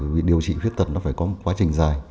vì điều trị khuyết tật nó phải có một quá trình dài